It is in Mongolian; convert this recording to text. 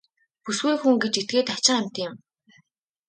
Бүсгүй хүн гэж этгээд хачин амьтан юм.